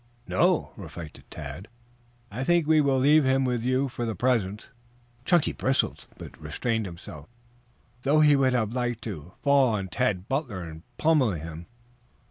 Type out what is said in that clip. "No," reflected Tad. "I think we will leave him with you for the present." Chunky bristled, but restrained himself, though he would have liked to fall on Tad Butler and pummel him.